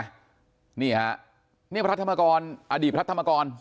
นี่ไงเห็นไหมนี่ฮะนี่พระธรรมกรอดีตพระธรรมกร